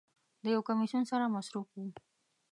د یو کمیسون سره مصروف و.